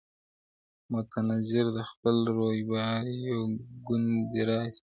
• منتظر د خپل رویبار یو ګوندي راسي -